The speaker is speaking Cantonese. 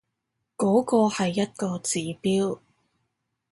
嗰個係一個指標